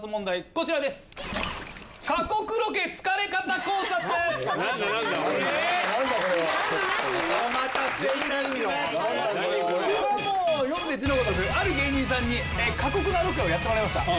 これはもう読んで字のごとくある芸人さんに過酷なロケをやってもらいました。